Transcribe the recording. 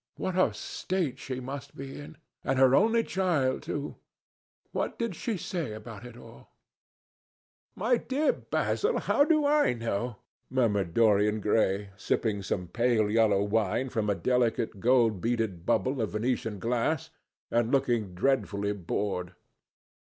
What a state she must be in! And her only child, too! What did she say about it all?" "My dear Basil, how do I know?" murmured Dorian Gray, sipping some pale yellow wine from a delicate, gold beaded bubble of Venetian glass and looking dreadfully bored.